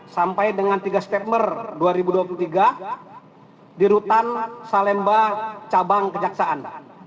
sampai dengan tiga september dua ribu dua puluh tiga di rutan salemba cabang kejaksaan